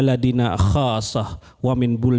dari segala makanan